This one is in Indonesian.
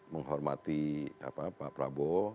menghormati pak prabowo